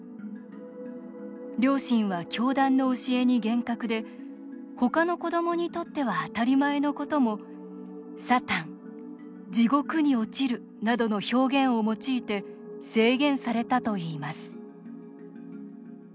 両親は教団の教えに厳格で他の子どもにとっては当たり前のことも「サタン」「地獄に落ちる」などの表現を用いて制限されたといいます